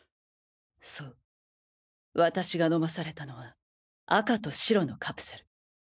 そう私が飲まされたのは赤と白のカプセル。